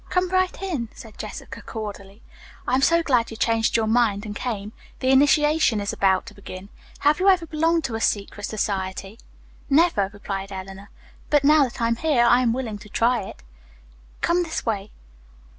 "Come right in," said Jessica cordially. "I am so glad you changed your mind and came. The initiation is about to begin. Have you ever belonged to a secret society?" "Never," replied Eleanor. "But now that I'm here, I am willing to try it." "Come this way."